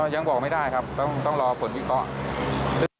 ยังบอกไม่ได้ครับต้องรอผลวิเคราะห์